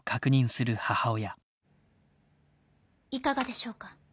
いかがでしょうか？